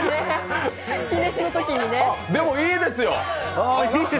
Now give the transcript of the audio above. でも、いいですよ！